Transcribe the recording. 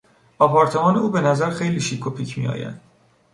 آپارتمان او به نظر خیلی شیک و پیک میآید.